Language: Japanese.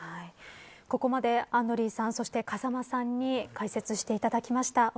ここまで、アンドリーさんそして、風間さんに解説していただきました。